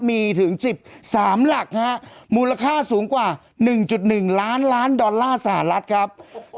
มีถึงสิบสามหลักนะฮะมูลค่าสูงกว่าหนึ่งจุดหนึ่งล้านล้านดอลลาร์สหรัฐครับ